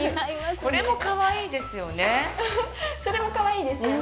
これもかわいいですよね。